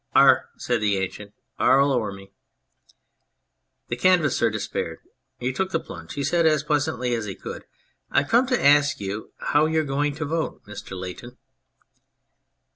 " Ar !" said the Ancient. " Arl ower me !" The Canvasser despaired. He took the plunge. He said as pleasantly as he could: "I've come to ask you how you're going to vote, Mr. Layton."